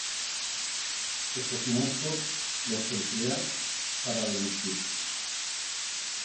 Esos monstruos los emplea para delinquir.